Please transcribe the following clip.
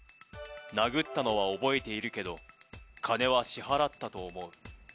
殴ったのは覚えているけど、金は支払ったと思う。